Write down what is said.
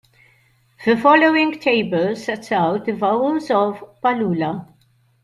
The following table sets out the vowels of Palula.